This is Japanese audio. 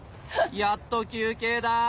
やっと休憩だ。